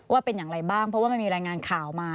ว่าเป็นอย่างไรบ้างเพราะว่ามันมีรายงานข่าวมา